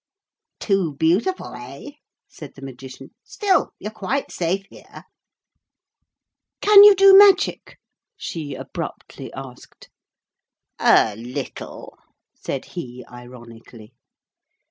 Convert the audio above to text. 'Too beautiful, eh?' said the Magician. 'Still you're quite safe here.' 'Can you do magic?' she abruptly asked. 'A little,' said he ironically.